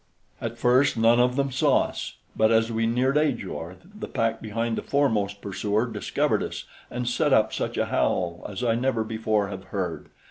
At first none of them saw us; but as we neared Ajor, the pack behind the foremost pursuer discovered us and set up such a howl as I never before have heard.